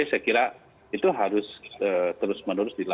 saya kira itu harus terus menerus dilakukan